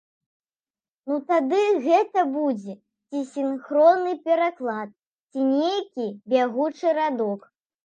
Ну тады гэта будзе ці сінхронны пераклад, ці нейкі бягучы радок.